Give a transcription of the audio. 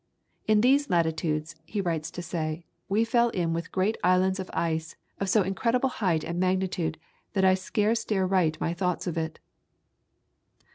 "In these latitudes," he writes to say, "we fell in with great islands of ice of so incredible height and magnitude, that I scarce dare write my thoughts of it."